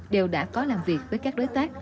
đều đã có làm việc với các đối tác